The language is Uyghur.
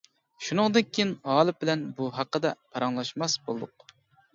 شۇنىڭدىن كېيىن غالىپ بىلەن بۇ ھەققىدە پاراڭلاشماس بولدۇق.